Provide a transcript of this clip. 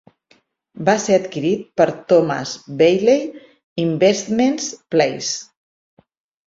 Va ser adquirit per Thomas Bailey Investments plc.